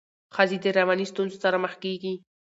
ښځي د رواني ستونزو سره مخ کيږي.